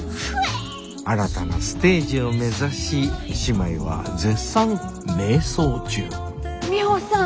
新たなステージを目指し姉妹は絶賛迷走中ミホさん。